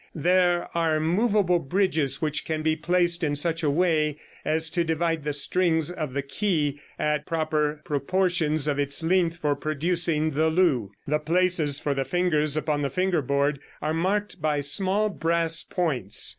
There are movable bridges which can be placed in such way as to divide the strings of the ke at proper proportions of its length for producing the lu. The places for the fingers upon the finger board are marked by small brass points.